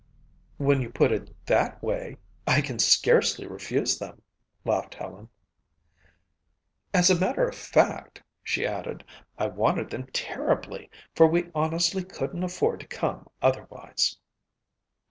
"When you put it that way, I can scarcely refuse them," laughed Helen. "As a matter of fact," she added, "I wanted them terribly for we honestly couldn't afford to come otherwise."